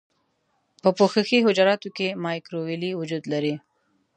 په پوښښي حجراتو کې مایکروویلې وجود لري.